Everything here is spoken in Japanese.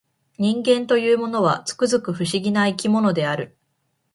人間というものは、つくづく不思議な生き物である